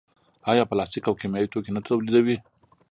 آیا پلاستیک او کیمیاوي توکي نه تولیدوي؟